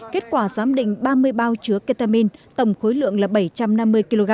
kết quả giám định ba mươi bao chứa ketamin tổng khối lượng là bảy trăm năm mươi kg